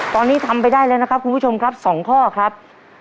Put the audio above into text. ตอนนี้ทำไปได้แล้วนะครับคุณผู้ชมครับ๒ข้อครับ